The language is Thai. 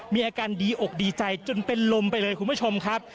มีอาการดีอกดีใจจนเป็นลมไปเลยคุณผู้ชมครับ